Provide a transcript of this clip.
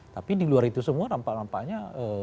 tapi di luar itu semua nampak nampaknya